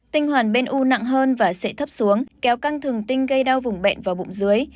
tinh hoàn bên u nặng hơn và sẽ thấp xuống kéo căng thường tinh gây đau vùng bệnh vào bụng dưới